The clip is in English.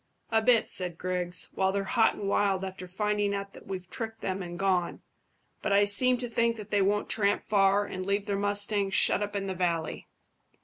"A bit," said Griggs, "while they're hot and wild after finding out that we've tricked them and gone; but I seem to think that they won't tramp far and leave their mustangs shut up in the valley.